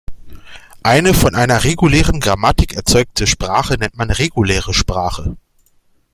Eine von einer regulären Grammatik erzeugte Sprache nennt man reguläre Sprache.